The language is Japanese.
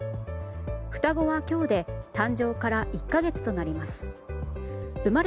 双子は今日で誕生から１か月となります。